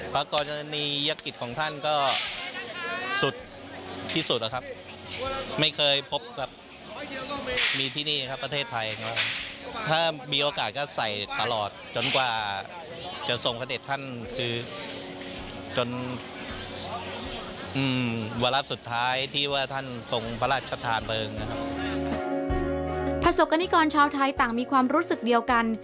ประสบกรณิกรชาวไทยต่างมีความรู้สึกเดียวกัน